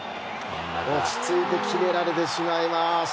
落ち着いて決められてしまいます。